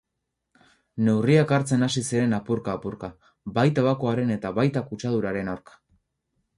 Neurriak hartzen hasi ziren apurka-apurka, bai tabakoaren eta baita kutsaduraren aurka.